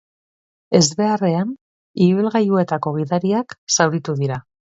Ezbeharrean ibilgailuetako gidariak zauritu dira.